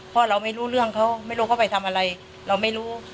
เพราะเราไม่รู้เรื่องเขาไม่รู้เขาไปทำอะไรเราไม่รู้